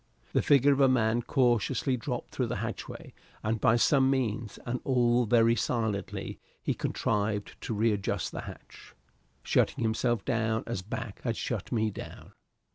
The figure of a man cautiously dropped through the hatchway, and by some means, and all very silently, he contrived to readjust the hatch, shutting himself down as Back had shut me down.